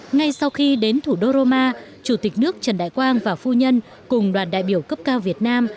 ngay sau khi đến thủ đô roma chủ tịch nước trần đại quang và phu nhân cùng đoàn đại biểu cấp cao việt nam